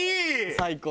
最高。